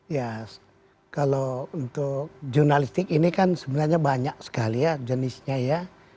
ya kalau untuk jurnalistik ini kan sebenarnya banyak sekali ya jenisnya ya